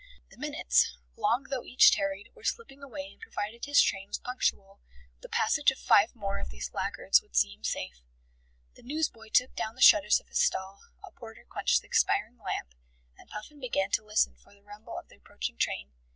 The minutes, long though each tarried, were slipping away and provided his train was punctual, the passage of five more of these laggards would see him safe. The news boy took down the shutters of his stall, a porter quenched the expiring lamp, and Puffin began to listen for the rumble of the approaching train.